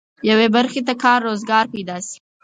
یوې برخې ته کار روزګار پيدا شي.